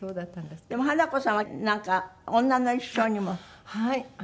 でも華子さんは『女の一生』にも。はい。